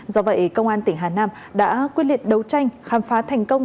do vậy công an tỉnh hà nam đã quyết liệt đấu tranh khám phá thành công